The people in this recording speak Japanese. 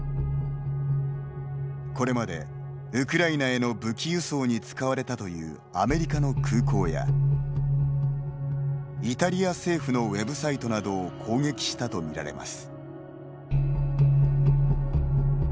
これまで、ウクライナへの武器輸送に使われたというアメリカの空港やイタリア政府のウェブサイトなどを攻撃したとみられます。